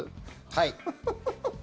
はい。